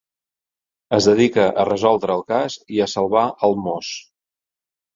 Es dedica a resoldre el cas i salvar el Moss.